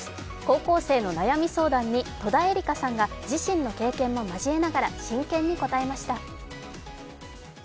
高校生の悩み相談に戸田恵梨香さんが自身の経験も交えながら真剣に答えました。